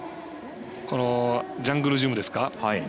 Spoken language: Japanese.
ジャングルジムですか。